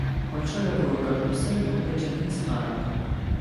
Очолювали корпуси внуки Чингісхана: